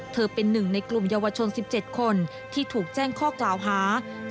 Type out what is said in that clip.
เป็นหนึ่งในกลุ่มเยาวชน๑๗คนที่ถูกแจ้งข้อกล่าวหา